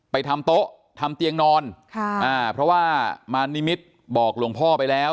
ทำโต๊ะทำเตียงนอนค่ะอ่าเพราะว่ามารนิมิตรบอกหลวงพ่อไปแล้ว